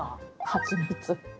ハチミツ。